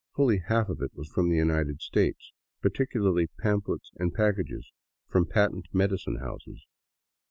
Fully half of it was from the United States, particularly pamphlets and packages from patent medicine houses.